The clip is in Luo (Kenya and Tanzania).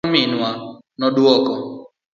Ero kamano minwa, noduoko.